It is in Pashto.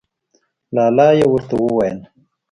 لا لا یې ورته وویل.